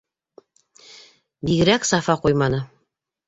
Бигерәк Сафа ҡуйманы: